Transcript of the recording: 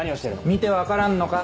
見て分からんのか？